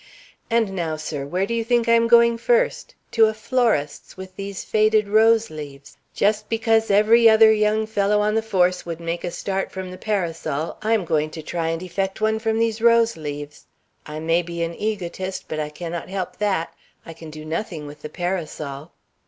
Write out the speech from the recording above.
And now, sir, where do you think I am going first? To a florist's, with these faded rose leaves. Just because every other young fellow on the force would make a start from the parasol, I am going to try and effect one from these rose leaves. I may be an egotist, but I cannot help that. I can do nothing with the parasol."